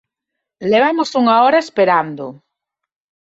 Levamos unha hora esperando.